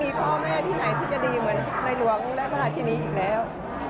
ไม่มีพ่อแม่ที่จะดีเหมือนในหลวงและพระอาชนีอีกแล้ว